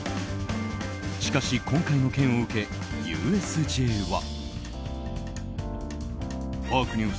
しかし、今回の件を受けＵＳＪは。